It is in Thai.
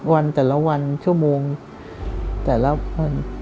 วันแต่ละวันชั่วโมงแต่ละวัน